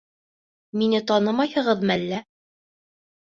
Мине танымайһығыҙмы әллә?